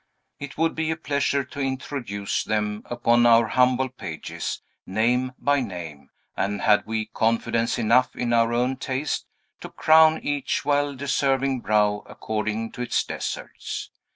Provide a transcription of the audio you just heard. It would be a pleasure to introduce them upon our humble pages, name by name, and had we confidence enough in our own taste to crown each well deserving brow according to its deserts.